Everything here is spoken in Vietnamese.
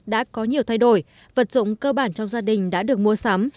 đã có nhiều thay đổi vật dụng cơ bản trong gia đình đã được mua sắm